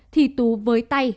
thì tú với tay